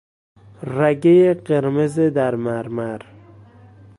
رگهی قرمز در مرمر